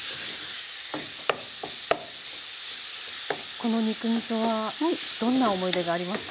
この肉みそはどんな思い出がありますか？